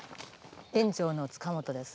園長の塚本です。